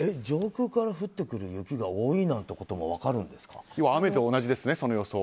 上空から降ってくる雪が多いなんてこともその予想は雨と同じですね。